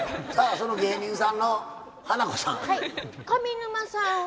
さあその芸人さんの花子さん。